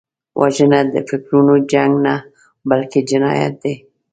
وژنه د فکرونو جنګ نه، بلکې جنایت دی